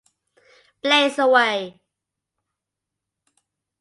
Blaze Away!